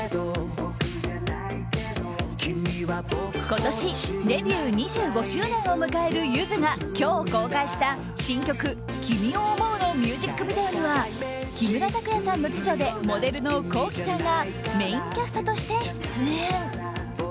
今年デビュー２５周年を迎えるゆずが今日公開した新曲「君を想う」のミュージックビデオには木村拓哉さんの次女でモデルのＫｏｋｉ，さんがメインキャストとして出演。